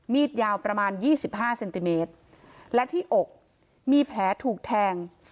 ยาวประมาณ๒๕เซนติเมตรและที่อกมีแผลถูกแทง